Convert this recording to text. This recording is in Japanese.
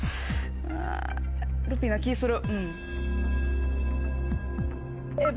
ルピーな気ぃする。